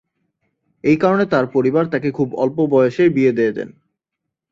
এই কারণে তাঁর পরিবার তাকে খুব অল্প বয়সেই বিয়ে দিয়ে দেন।